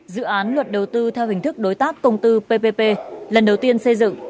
dự án luật đầu tư theo hình thức đối tác công tư ppp lần đầu tiên xây dựng